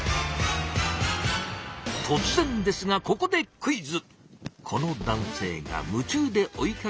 とつ然ですがここでクイズ！